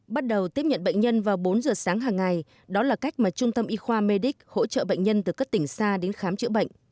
bắt đầu tiếp nhận bệnh nhân vào bốn giờ sáng hàng ngày đó là cách mà trung tâm y khoa mê đích hỗ trợ bệnh nhân từ các tỉnh xa đến khám chữa bệnh